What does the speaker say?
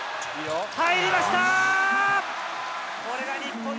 入りました。